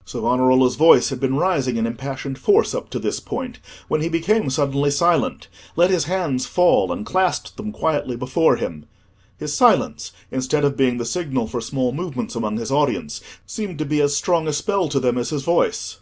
'" Savonarola's voice had been rising in impassioned force up to this point, when he became suddenly silent, let his hands fall and clasped them quietly before him. His silence, instead of being the signal for small movements amongst his audience, seemed to be as strong a spell to them as his voice.